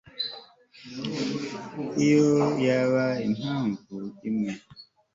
iyo yaba impamvu imwe